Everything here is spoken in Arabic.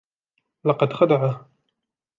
لقد خدعهُ.